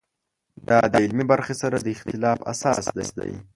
دا د علمي برخې سره د اختلاف اساس دی.